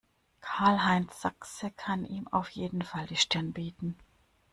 Karl-Heinz Sachse kann ihm auf jeden Fall die Stirn bieten.